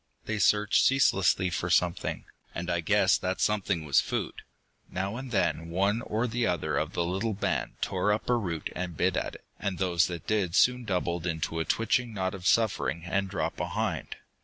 They searched ceaselessly for something, and I guessed that something was food. Now and then one or the other of the little band tore up a root and bit at it, and those that did so soon doubled into a twitching knot of suffering and dropped behind.